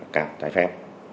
các trái phép